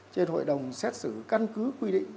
trên hội đồng xét xử căn cứ quy định